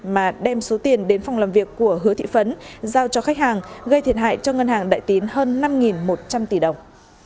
mà đem số tiền đến phòng làm việc của hứa thị phấn giao cho khách hàng gây thiệt hại cho ngân hàng đại tín hơn năm một trăm linh tỷ đồng